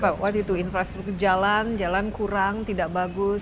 waktu itu infrastruktur jalan jalan kurang tidak bagus